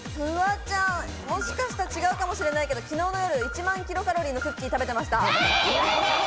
もしかしたら違うかもしれないけど、昨日の夜、１万キロカロリーのクッキーを食べていました。